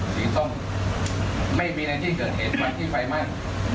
สีส้มไม่มีในที่เกิดเหตุมาที่ไฟไหม้